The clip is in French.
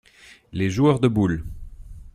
Les joueurs de boules.